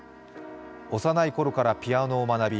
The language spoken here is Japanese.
幼いころからピアノを学び